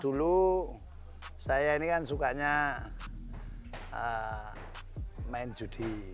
dulu saya ini kan sukanya main judi